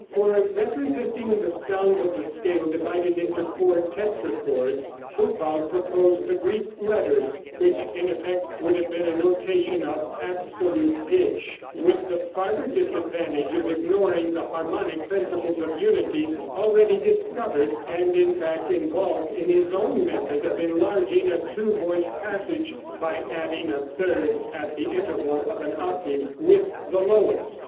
For representing the sounds of the scale, divided into four tetrachords, Hucbald proposed the Greek letters, which in effect, would have been a notation of absolute pitch, with the farther disadvantage of ignoring the harmonic principles of unity already discovered, and in fact involved in his own method of enlarging a two voice passage by adding a third at the interval of an octave with the lowest.